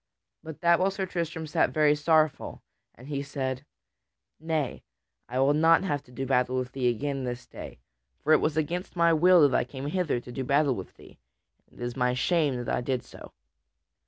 But that while Sir Tristram sat very sorrowful, and he said: "Nay, I will not have to do with thee again this day, for it was against my will that I came hither to do battle with thee, and it is to my shame that I did so.